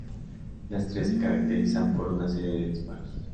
Las tres se caracterizan por una serie de disparos.